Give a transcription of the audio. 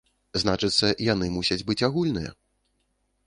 Значыцца, яны мусяць быць агульныя.